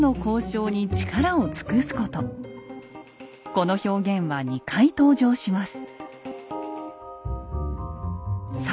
この表現は２回登場します。